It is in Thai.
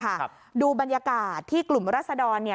ครับดูบรรยากาศที่กลุ่มรัศดรเนี่ย